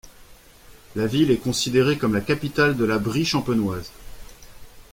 La ville est considérée comme la capitale de la Brie champenoise.